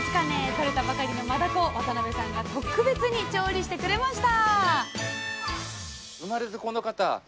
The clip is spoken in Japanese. とれたばかりのマダコを渡辺さんが特別に調理してくれました！